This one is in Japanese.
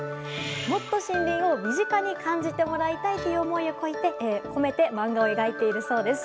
もっと森林を身近に感じてもらいたいという思いを込めて漫画を描いているそうです。